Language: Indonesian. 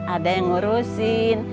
ada yang ngurusin